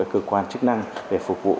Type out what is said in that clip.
cơ quan chức năng để phục vụ